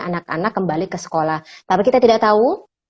anak anak kembali ke sekolah tapi kita tidak tahu